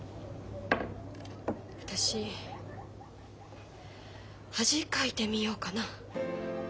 私恥かいてみようかな。